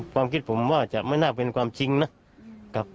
ความคิดผมว่าจะไม่น่าเป็นความจริงนะครับ